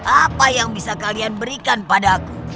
apa yang bisa kalian berikan padaku